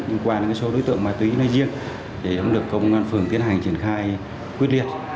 liên quan đến số đối tượng ma túy nói riêng để được công an phường tiến hành triển khai quyết liệt